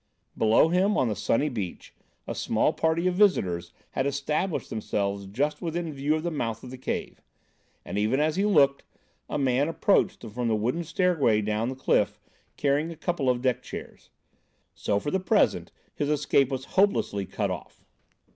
Below him, on the sunny beach, a small party of visitors had established themselves just within view of the mouth of the cave; and even as he looked, a man approached from the wooden stairway down the cliff, carrying a couple of deck chairs. So, for the present his escape was hopelessly cut off.